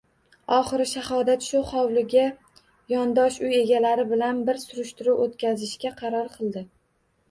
Oxiri Shahodat shu hovliga yondosh uy egalari bilan bir surishtiruv o`tkazishga qaror qildi